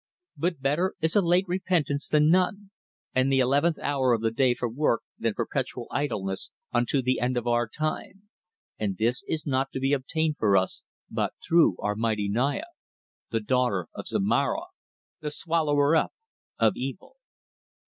But better is a late repentance than none; and the eleventh hour of the day for work than perpetual idleness unto the end of our time; and this is not to be obtained for us but through our mighty Naya, the daughter of Zomara the Swallower up of Evil."